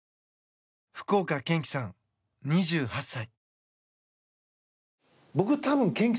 福岡堅樹さん、２８歳。